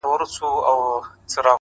هر منزل د صبر غوښتنه کوي’